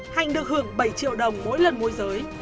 thành được hưởng bảy triệu đồng mỗi lần môi giới